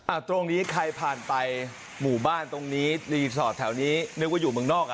ตรงนี้ใครผ่านไปหมู่บ้านตรงนี้รีสอร์ทแถวนี้นึกว่าอยู่เมืองนอกอ่ะ